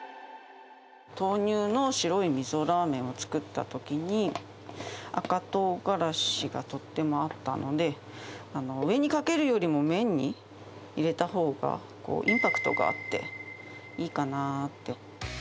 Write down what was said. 豆乳の白いみそラーメンを作ったときに、赤とうがらしがとっても合ったので、上にかけるよりも麺に入れたほうが、インパクトがあって、いいかなって。